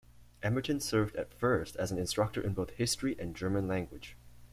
Emerton served at first as an instructor in both History and German language.